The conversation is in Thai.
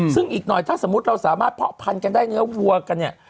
ซึ่งอีกหน่อยถ้าสมมุติเราสามารถเพาะพันกันได้เนื้อวัวกันเนี่ย